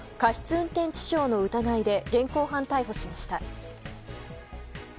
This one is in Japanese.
運転致傷の疑いで現行犯逮捕しました。